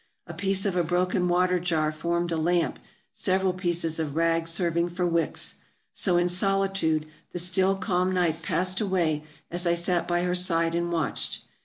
A piece of a broken water jar formed a lamp, sev eral pieces of rag serving for wicks. So in solitude the still calm night passed away as I sat by her side and watched.